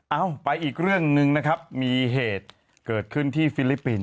เอาไปอีกเรื่องหนึ่งนะครับมีเหตุเกิดขึ้นที่ฟิลิปปินส